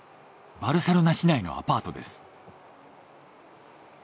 バルセロナ市内のアパートです。